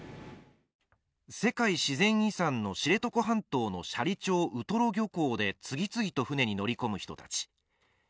世界自然遺産の知床半島の斜里町ウトロ漁港で次々と船に乗り込む人たち。